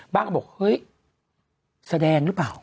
เขาบอกเฮ้ยแสดงหรือเปล่า